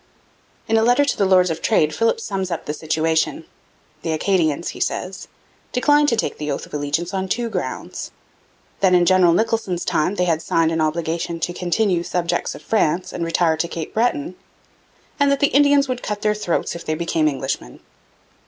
In a letter to the Lords of Trade Philipps sums up the situation. 'The Acadians,' he says, 'decline to take the oath of allegiance on two grounds that in General Nicholson's time they had signed an obligation to continue subjects of France and retire to Cape Breton, and that the Indians would cut their throats if they became Englishmen.'